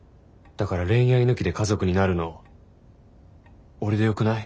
だから恋愛抜きで家族になるの俺でよくない？